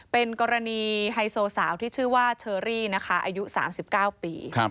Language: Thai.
เป็นกรณีไฮโซสาวที่ชื่อว่าเชอรี่นะคะอายุ๓๙ปี